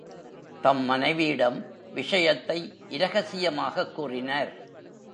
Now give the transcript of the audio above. தம் மனைவியிடம் விஷயத்தை இரகசியமாகக் கூறினார்.